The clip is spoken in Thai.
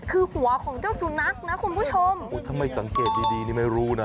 คือหัวของเจ้าสุนัขนะคุณผู้ชมถ้าไม่สังเกตดีดีนี่ไม่รู้นะ